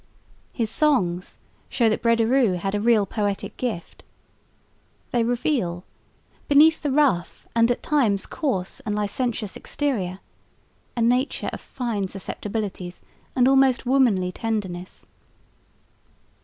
His songs show that Brederôo had a real poetic gift. They reveal, beneath the rough and at times coarse and licentious exterior, a nature of fine susceptibilities and almost womanly tenderness.